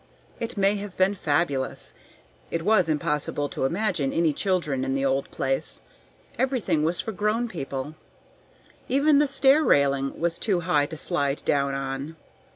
It may have been fabulous. It was impossible to imagine any children in the old place; everything was for grown people; even the stair railing was too high to slide down on.